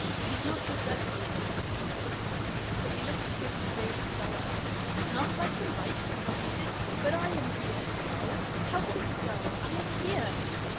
It is not so dreadful, Earle, after all." But he looked at her with vague, dull eyes. "Not like the life!" he repeated. "But I am here! Dull! How could it be dull? I am here!"